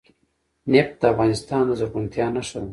نفت د افغانستان د زرغونتیا نښه ده.